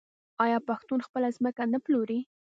آیا پښتون خپله ځمکه نه پلوري؟